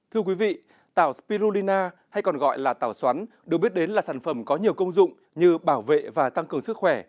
thưa quý vị tàu spirulina hay còn gọi là tàu xoắn được biết đến là sản phẩm có nhiều công dụng như bảo vệ và tăng cường sức khỏe